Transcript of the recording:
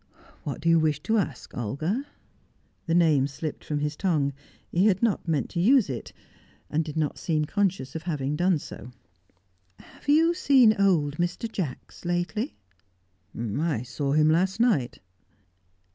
"What do you wish to ask, Olga?" The name slipped from his tongue; he had not meant to use it, and did not seem conscious of having done so. "Have you seen old Mr. Jacks lately?" "I saw him last night."